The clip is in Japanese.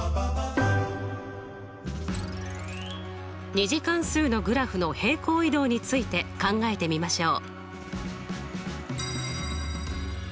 ２次関数のグラフの平行移動について考えてみましょう。